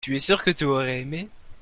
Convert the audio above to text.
tu es sûr que tu aurais aimé.